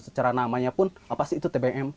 secara namanya pun apa sih itu tbm